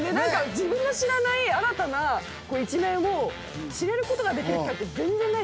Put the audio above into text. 自分の知らない新たな一面を知れることができる機会って全然ないじゃないですか。